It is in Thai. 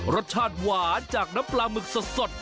รสชาติหวานจากน้ำปลาหมึกสด